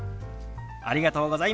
ありがとうございます。